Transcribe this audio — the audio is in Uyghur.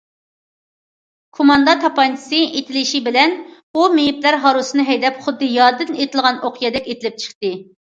كوماندا تاپانچىسى ئېتىلىشى بىلەن، ئۇ مېيىپلەر ھارۋىسىنى ھەيدەپ خۇددى يادىن ئېتىلغان ئوقيادەك ئېتىلىپ چىقتى.